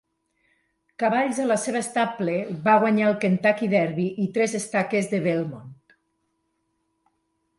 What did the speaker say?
Cavalls de la seva estable va guanyar el Kentucky Derby i tres estaques de Belmont.